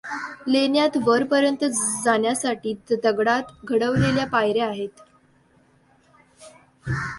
लेण्यात वरपर्यंत जाण्यासाठी दगडात घडवलेल्या पायर् या आहेत.